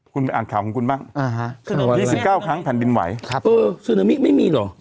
คุณอ่านข่าวของคุณบ้างที่๑๙ครั้งแผ่นดินไหวซึนามิไม่มีหรอ